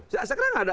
saya kira nggak ada